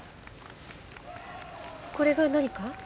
これが何か？